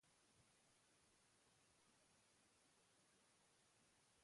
Horretaz gain liburu bat idatzi zuen.